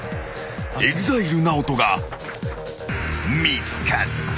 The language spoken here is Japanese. ［ＥＸＩＬＥＮＡＯＴＯが見つかった］